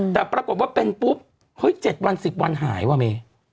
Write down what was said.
แต่ปรากฏว่าเป็นปุ๊บเฮ้ย๗วัน๑๐วันหายว่ะเม